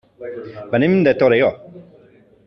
Venim de Torelló.